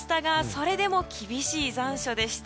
それでも厳しい残暑でした。